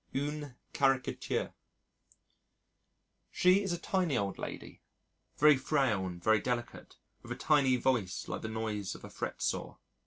Une Caractère ... She is a tiny little old lady, very frail and very delicate, with a tiny voice like the noise of a fretsaw.